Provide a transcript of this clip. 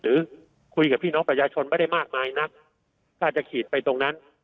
หรือคุยกับพี่น้องประชาชนไม่ได้มากมายนักถ้าจะขีดไปตรงนั้น